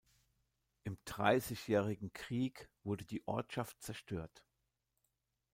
Im Dreißigjährigen Krieg wurde die Ortschaft zerstört.